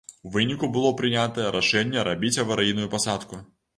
У выніку было прынятае рашэнне рабіць аварыйную пасадку.